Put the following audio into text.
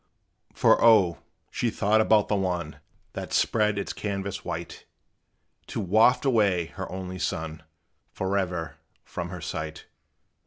For, O! she thought about the one That spread its canvass white, To waft away her only son Forever from her sight!